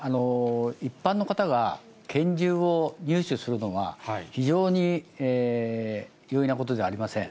一般の方が拳銃を入手するのは、非常に容易なことじゃありません。